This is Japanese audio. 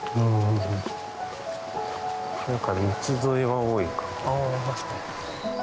何か道沿いは多いかも。